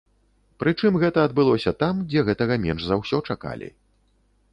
Прычым гэта адбылося там, дзе гэтага менш за ўсё чакалі.